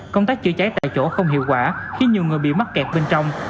công tác chữa cháy tại chỗ không hiệu quả khi nhiều người bị mắc kẹt bên trong